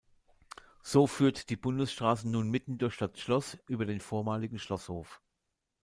So führt die Bundesstraße nun mitten durch das Schloss über den vormaligen Schlosshof.